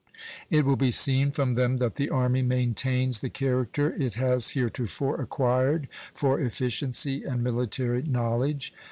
It will be seen from them that the Army maintains the character it has heretofore acquired for efficiency and military knowledge.